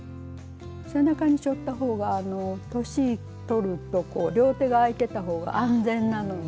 背中にしょった方があの年取ると両手があいてた方が安全なので。